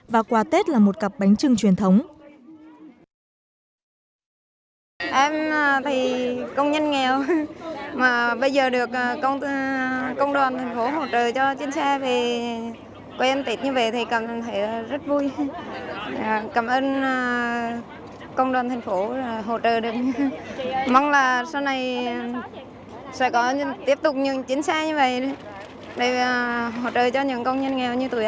và quà tết là một cặp bánh trưng truyền thống